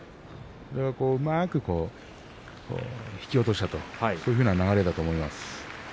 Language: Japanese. うまく突き落としたというような流れだと思います。